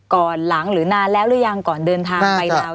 ก่อนหลังหรือนานแล้วหรือยังก่อนเดินทางไปแล้ว